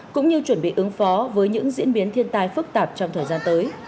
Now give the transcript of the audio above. cũng như chuẩn bị ứng phó với những diễn biến thiên tai phức tạp trong thời gian tới